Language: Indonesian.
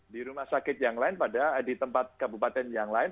di rumah sakit yang lain pada di tempat kabupaten yang lain